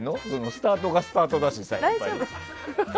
スタートがスタートだし。